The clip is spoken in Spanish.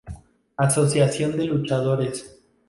Asociación de luchadores“.